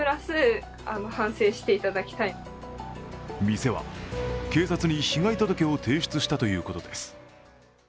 店は警察に被害届を提出したということです。